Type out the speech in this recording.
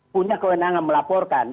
punya kewenangan melaporkan